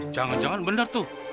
jangan jangan bener tuh